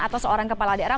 atau seorang kepala daerah